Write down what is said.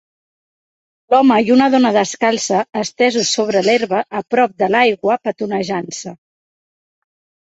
l'home i una dona descalça estesos sobre l'herba a prop de l'aigua petonejant-se